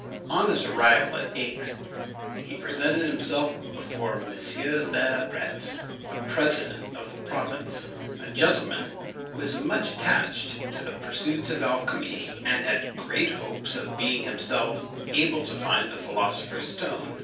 On his arrival at Aix, he presented himself before M. le Bret, the president of the province, a gentleman who was much attached to the pursuits of alchymy, and had great hopes of being himself able to find the philosopher's stone.